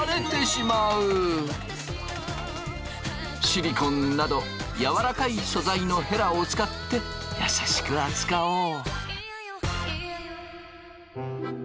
シリコンなど軟らかい素材のヘラを使って優しく扱おう。